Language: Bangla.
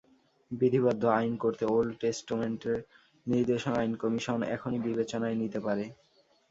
বিধিবদ্ধ আইন করতে ওল্ড টেস্টামেন্টের নির্দেশনা আইন কমিশন এখনই বিবেচনায় নিতে পারে।